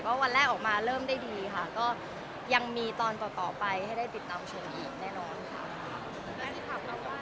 วันแรกออกมาเริ่มได้ดีค่ะก็ยังมีตอนต่อไปให้ได้ติดตามชมอีกแน่นอนค่ะ